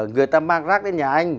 người ta mang rác đến nhà anh